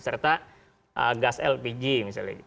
serta gas lpg misalnya